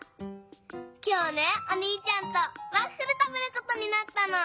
きょうねおにいちゃんとワッフルたべることになったの。